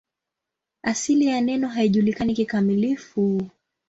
Asili ya neno haijulikani kikamilifu.